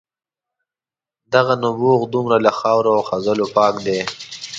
دغه نبوغ دومره له خاورو او خځلو پاک دی.